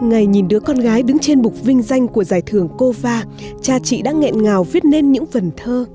ngày nhìn đứa con gái đứng trên bục vinh danh của giải thưởng cova cha chị đã nghẹn ngào viết nên những vần thơ